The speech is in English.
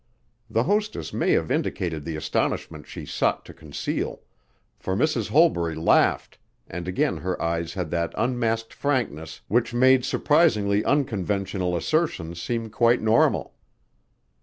The hostess may have indicated the astonishment she sought to conceal, for Mrs. Holbury laughed and again her eyes had that unmasked frankness which made surprisingly unconventional assertions seem quite normal.